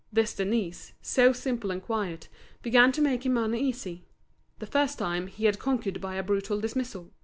This Denise, so simple and quiet, began to make him uneasy. The first time, he had conquered by a brutal dismissal.